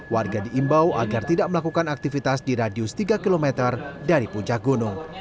warga diimbau agar tidak melakukan aktivitas di radius tiga km dari puncak gunung